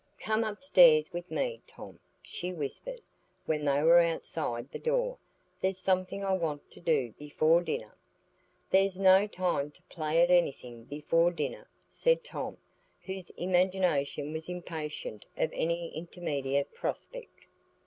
"Come upstairs with me, Tom," she whispered, when they were outside the door. "There's something I want to do before dinner." "There's no time to play at anything before dinner," said Tom, whose imagination was impatient of any intermediate prospect.